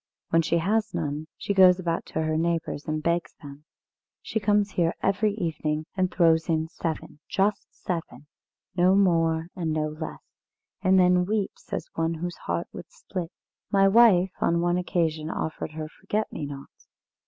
When she has none, she goes about to her neighbours and begs them. She comes here every evening and throws in seven just seven, no more and no less and then weeps as one whose heart would split. My wife on one occasion offered her forget me nots.